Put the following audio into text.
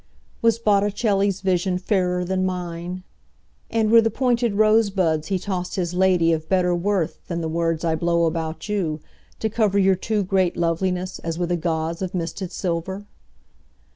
Was Botticelli's visionFairer than mine; And were the pointed rosebudsHe tossed his ladyOf better worthThan the words I blow about youTo cover your too great lovelinessAs with a gauzeOf misted silver?